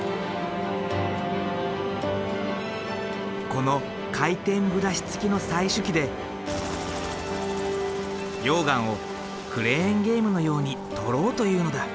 この回転ブラシつきの採取機で溶岩をクレーンゲームのように採ろうというのだ。